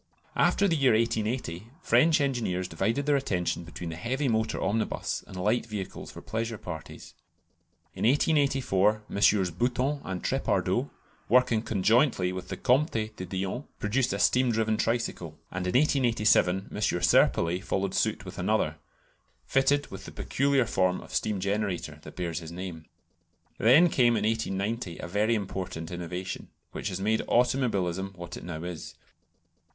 After the year 1880 French engineers divided their attention between the heavy motor omnibus and light vehicles for pleasure parties. In 1884 MM. Bouton and Trépardoux, working conjointly with the Comte de Dion, produced a steam driven tricycle, and in 1887 M. Serpollet followed suit with another, fitted with the peculiar form of steam generator that bears his name. Then came in 1890 a very important innovation, which has made automobilism what it now is.